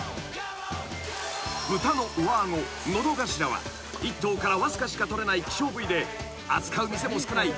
［豚の上顎ノドガシラは１頭からわずかしか取れない希少部位で扱う店も少ない